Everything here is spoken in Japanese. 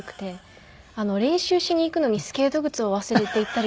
練習しに行くのにスケート靴を忘れて行ったりとか。